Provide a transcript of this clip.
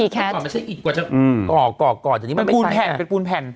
มันไม่ใช่อิตกว่าอ่ออ่ออ่อ